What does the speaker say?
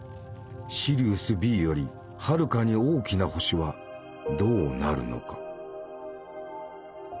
シリウスＢよりはるかに大きな星はどうなるのか？